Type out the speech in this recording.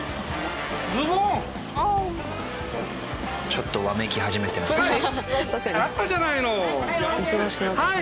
ちょっとわめき始めてますね。